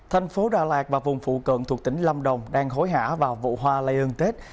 thành phố đà lạt và vùng phụ cận thuộc tỉnh lâm đồng đang hối hả vào vụ hoa lây ơn tết